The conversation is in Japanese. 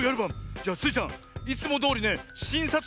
じゃあスイちゃんいつもどおりねしんさつ